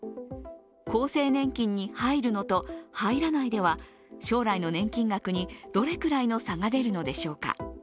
厚生年金に入るのと入らないのとでは、将来の年金額にどれくらいの差が出るのでしょうか。